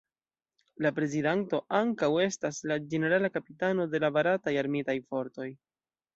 La Prezidanto ankaŭ estas la Ĝenerala Kapitano de la Barataj Armitaj Fortoj.